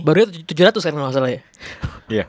barunya tujuh ratus kalau gak salah ya